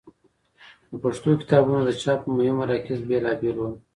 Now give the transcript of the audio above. د پښتو کتابونو د چاپ مهم مراکز بېلابېل ول.